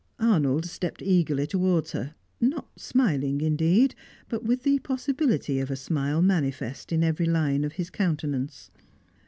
Arnold stepped eagerly towards her; not smiling indeed, but with the possibility of a smile manifest in every line of his countenance.